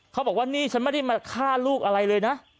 บอกว่านี่ฉันไม่ได้มาฆ่าลูกอะไรเลยนะ